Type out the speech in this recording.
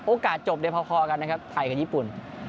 โอกาสจบพอกันนะครับไทยกับญี่ปุ่น